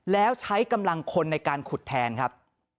แล้วใช้กำลังคนในการขุดแทนครับ